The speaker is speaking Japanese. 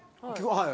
はい。